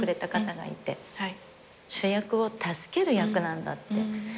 主役を助ける役なんだって。